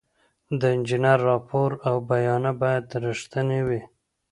د انجینر راپور او بیانیه باید رښتینې وي.